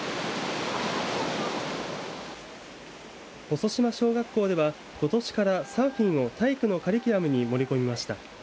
細島小学校ではことしから、サーフィンを体育のカリキュラムに盛り込みました。